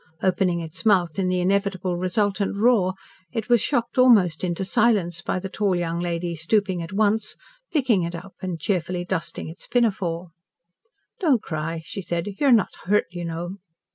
Opening its mouth in the inevitable resultant roar, it was shocked almost into silence by the tall young lady stooping at once, picking it up, and cheerfully dusting its pinafore. "Don't cry," she said; "you are not hurt, you know."